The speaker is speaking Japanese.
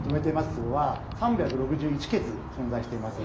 ツボは３６１穴存在しています。